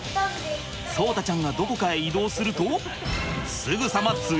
聡太ちゃんがどこかへ移動するとすぐさま追跡！